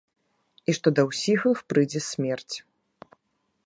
І што да ўсіх іх прыйдзе смерць.